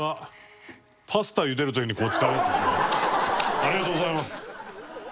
ありがとうございます。